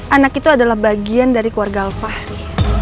anak itu adalah bagian dari keluarga al fahri